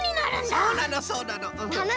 そうなのそうなの。